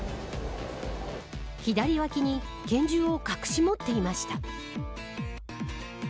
左脇に拳銃を隠し持っていました。